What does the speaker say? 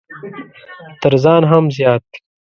تر ځان هم زيات!